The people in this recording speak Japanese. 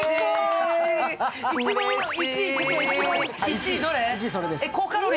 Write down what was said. １位どれ？